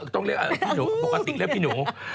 ต้องเรียกอะไรพี่หนูปกติเรียกพี่หนู